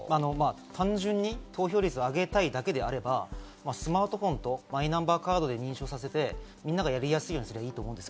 単純に投票率を上げたいだけであれば、スマートフォンとマイナンバーカードで認証させて、みんながやりやすいようにすればいいと思います。